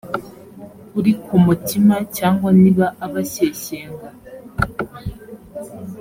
uri ku mutima cyangwa niba abashyeshyenga